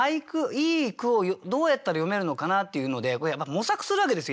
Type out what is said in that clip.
いい句をどうやったら詠めるのかなっていうので模索するわけですよ